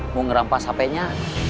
mau ngerampas hp nya